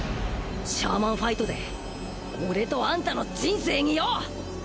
シャーマンファイトで俺とアンタの人生によ！